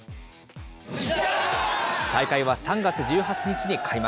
大会は３月１８日に開幕。